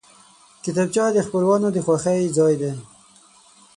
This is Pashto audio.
کتابچه د خپلوانو د خوښۍ ځای دی